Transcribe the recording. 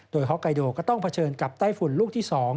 โดยฮอกไกโดก็ต้องเผชิญกับไต้ฝุ่นลูกที่๒